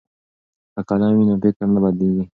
که قلم وي نو فکر نه بندیږي.